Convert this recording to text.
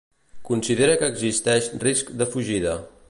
Considera que existeix risc de fugida.